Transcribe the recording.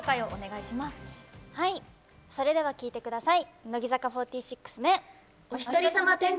それでは聴いてください。